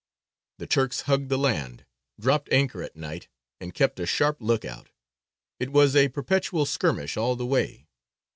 The Turks hugged the land, dropped anchor at night, and kept a sharp look out. It was a perpetual skirmish all the way.